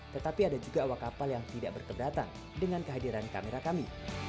tetapi ada juga awak kapal yang tidak berkeberatan dengan kehadiran kamera kami